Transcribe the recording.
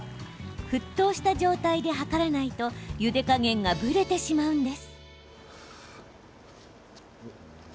沸騰した状態で計らないとゆで加減がぶれてしまうんです。